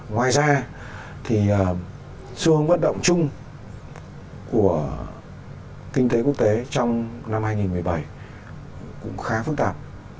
ngoài ra thì xu hướng bất động chung của kinh tế quốc tế trong năm hai nghìn một mươi bảy cũng khá phức tạp